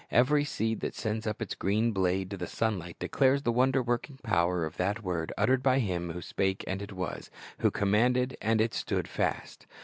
Every seed that sends up its green blade to the sunlight declares the wonder working power of that word uttered by Him who "spake, and it was;" who "commanded, and it stood fast."